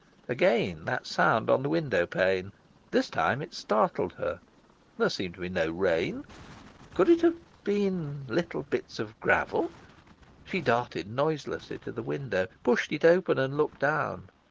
Again that sound on the window pane. This time it startled her. There seemed to be no rain. Could it have been little bits of gravel? She darted noiselessly to the window, pushed it open, and looked down.